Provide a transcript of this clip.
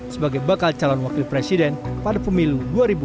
sebagai bakal calon wakil presiden pada pemilu dua ribu dua puluh